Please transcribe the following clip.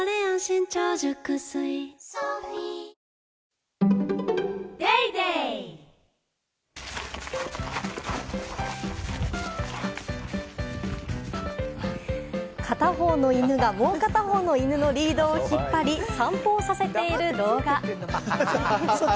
生しょうゆはキッコーマン片方の犬がもう片方の犬のリードを引っ張り散歩をさせている動画。